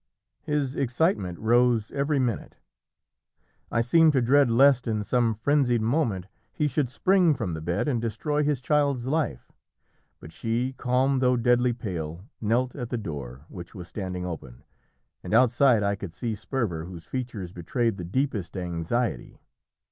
His excitement rose every minute. I seemed to dread lest in some frenzied moment he should spring from the bed and destroy his child's life. But she, calm though deadly pale, knelt at the door, which was standing open, and outside I could see Sperver, whose features betrayed the deepest anxiety.